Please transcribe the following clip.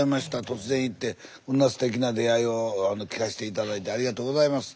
突然行ってこんなすきてな出会いを聞かせて頂いてありがとうございます。